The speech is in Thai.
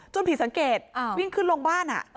ผิดสังเกตวิ่งขึ้นลงบ้าน